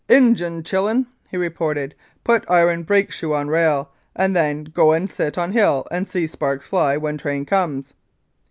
"Injun chil'n," he reported, "put iron brake shoe on rail, and then go and sit on hill and see sparks fly when train comes."